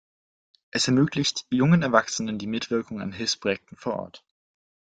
Es ermöglicht jungen Erwachsenen die Mitwirkung an Hilfsprojekten vor Ort.